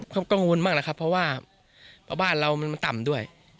กังวลมากนะครับเพราะว่าบ้านเรามันต่ำด้วย